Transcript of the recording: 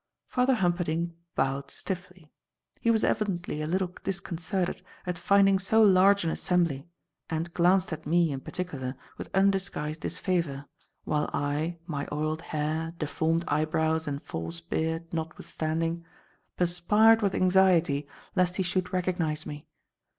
Father Humperdinck bowed stiffly. He was evidently a little disconcerted at finding so large an assembly, and glanced at me, in particular, with undisguised disfavour, while I, my oiled hair, deformed eyebrows and false beard notwithstanding, perspired with anxiety lest he should recognize me.